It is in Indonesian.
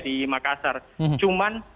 di makassar cuman